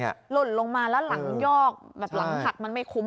หล่นลงมาแล้วหลังยอกแบบหลังหักมันไม่คุ้ม